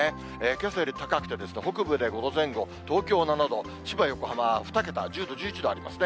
けさより高くて、北部で５度前後、東京７度、千葉、横浜は２桁、１０度、１１度ありますね。